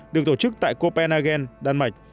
được tổ chức tại copenhagen đan mạch